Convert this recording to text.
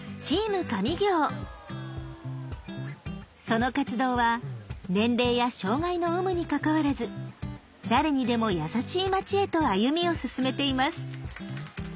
その活動は年齢や障害の有無にかかわらず誰にでも優しい町へと歩みを進めています。